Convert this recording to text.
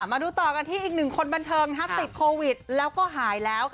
มาดูต่อกันที่อีกหนึ่งคนบันเทิงติดโควิดแล้วก็หายแล้ว